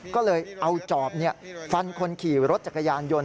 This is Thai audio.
ก็เลยเอาจอบฟันคนขี่รถจักรยานยนต์